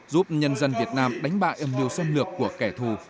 giúp nhân dân việt nam đánh bại âm mưu xâm lược của kẻ thù